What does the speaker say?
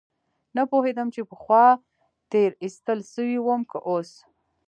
نه پوهېدم چې پخوا تېر ايستل سوى وم که اوس.